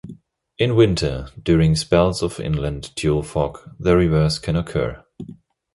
In winter, during spells of inland tule fog, the reverse can occur.